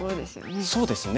そうですね。